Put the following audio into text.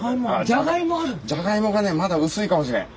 じゃがいもがねまだ薄いかもしれん。